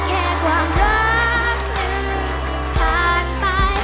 แค่ความรักหนึ่งผ่านไป